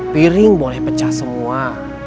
piring boleh pecah semua